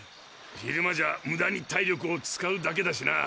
昼間じゃムダに体力を使うだけだしな。